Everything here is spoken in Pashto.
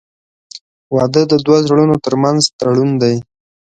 • واده د دوه زړونو تر منځ تړون دی.